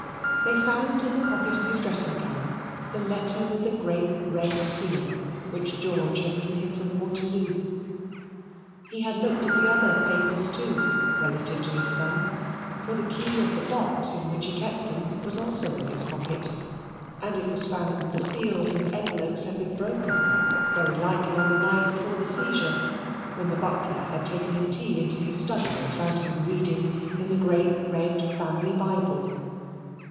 They found in the pocket of his dressing gown the letter with the great red seal which George had written him from Waterloo. He had looked at the other papers too, relative to his son, for the key of the box in which he kept them was also in his pocket, and it was found the seals and envelopes had been broken very likely on the night before the seizure when the butler had taken him tea into his study, and found him reading in the great red family Bible.